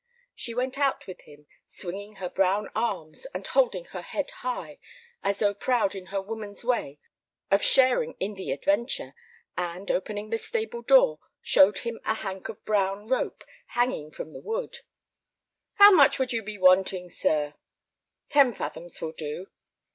She went out with him, swinging her brown arms and holding her head high, as though proud in her woman's way of sharing in the adventure, and, opening the stable door, showed him a hank of brown rope hanging from the wood. "How much would you be wanting, sir?" "Ten fathoms will do."